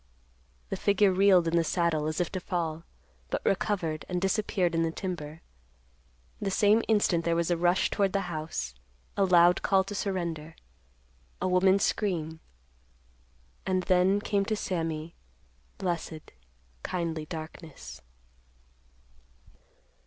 _ The figure reeled in the saddle, as if to fall, but recovered, and disappeared in the timber. The same instant there was a rush toward the house—a loud call to surrender—a woman's scream—and then, came to Sammy, blessed, kindly darkness.